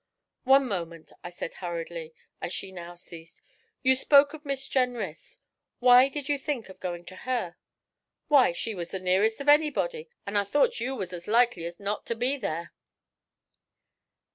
'One moment,' I said hurriedly, as she now ceased. 'You spoke of Miss Jenrys why did you think of going to her?' 'Why, she was nearest of anybody, an' I thought you was as likely as not to be there.'